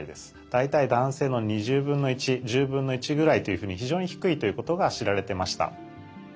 大体男性のぐらいというふうに非常に低いということが知られてました。